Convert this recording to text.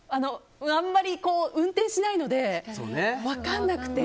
あまり、運転しないので分からなくて。